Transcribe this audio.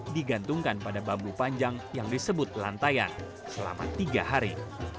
digantungkan pada bambu panjang yang disebut lantaian selama tiga hari